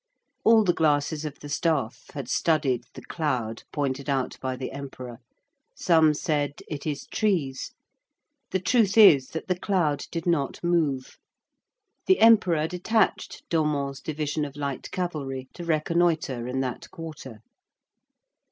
All the glasses of the staff had studied "the cloud" pointed out by the Emperor. Some said: "It is trees." The truth is, that the cloud did not move. The Emperor detached Domon's division of light cavalry to reconnoitre in that quarter.